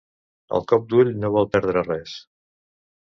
El cop d'ull no vol perdre res.